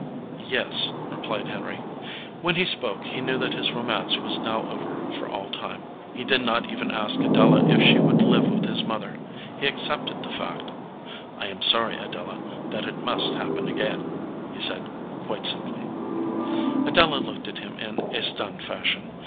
"Yes," replied Henry. When he spoke he knew that his romance was now over for all time. He did not even ask Adela if she would live with his mother. He accepted the fact. "I am sorry, Adela, that it must happen again," he said, quite simply. 257 EDGEWATER PEOPLE Adela looked at him in a stunned fashion.